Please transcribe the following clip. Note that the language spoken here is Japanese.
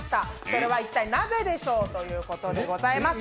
それは一体なぜでしょうということでございます。